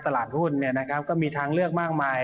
ตลาดหุ้นเนี่ยนะครับก็มีทางเลือกมากมาย